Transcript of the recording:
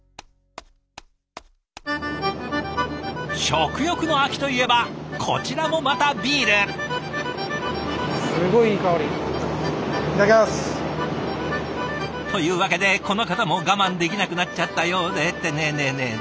食欲の秋といえばこちらもまたビール！というわけでこの方も我慢できなくなっちゃったようでってねえねえねえ！